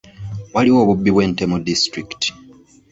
Waliwo obubbi bw'ente mu disitulikiti.